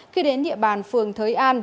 khi đến địa bàn phường thới an